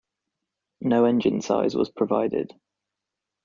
No engine size was provided.